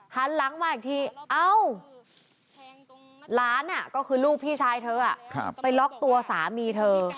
หันหลังมาอีกทีเอ้าหลานก็คือลูกพี่ชายเธอไปล็อกตัวสามีเธอ